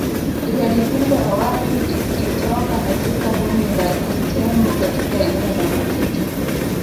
Idadi kubwa ya watu ikitoka katika bonde la Litembo katika eneo la Makita